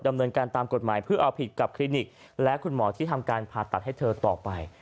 ดำเนินการตามกฎหมายเพื่อเอาผิดกับคลินิกและคุณหมอที่ทำการผ่าตัดให้เธอต่อไป